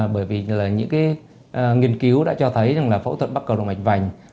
bởi vì là những cái nghiên cứu đã cho thấy là phẫu thuật bắt cầu động mạch vành